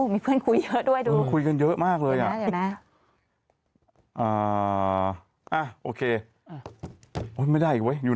มีเพื่อนคุยเยอะด้วยดู